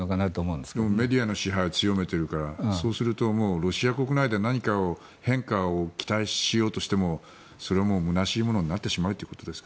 でもメディアの支配を強めているからそうすると、ロシア国内で何か変化を期待しようとしてもそれは空しいものになってしまうということですか。